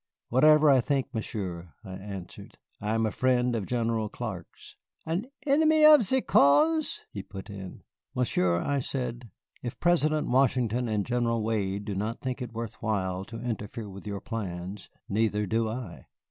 "Whatever I think, Monsieur," I answered, "I am a friend of General Clark's." "An enemy of ze cause?" he put in. "Monsieur," I said, "if President Washington and General Wayne do not think it worth while to interfere with your plans, neither do I."